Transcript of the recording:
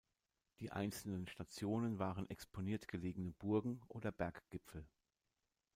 Die einzelnen Stationen waren exponiert gelegene Burgen oder Berggipfel.